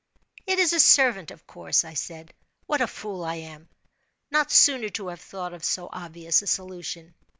"It is a servant of course," I said; "what a fool I am, not sooner to have thought of so obvious a solution!"